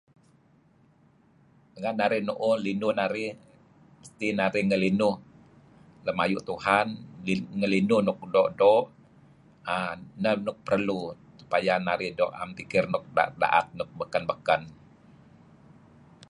Renga' narih nuuh linuh narih mesti narih neglinuh lem ayu Tuhan ngelinuh nuk doo'-doo' uhm neh nuk perlu supayah narih am pikir nuk daet-daet, nuk baken-baken.